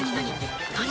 何？